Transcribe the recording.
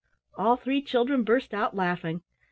All three children burst out laughing.